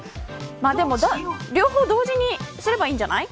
両方同時にすればいいんじゃない。